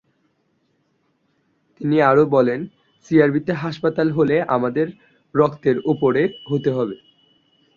তিনি আরও বলেন, সিআরবিতে হাসপাতাল হলে আমাদের রক্তের ওপরে হতে হবে।